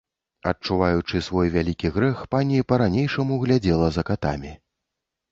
Адчуваючы свой вялікі грэх, пані па-ранейшаму глядзела за катамі.